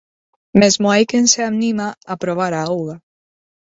Mesmo hai que se anima a probar a auga.